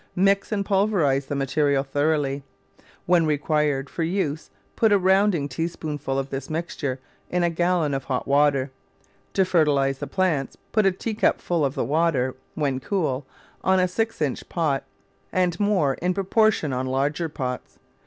Mix and pul verise the material thoroughly. When required for use put a rounding tablespoonful of this mixture in a gallon of hot water. To fertilise the plants put a teacupful of the water, when cool, on a six inch pot, and more in proportion on larger pots.